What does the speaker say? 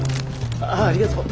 ああありがとう。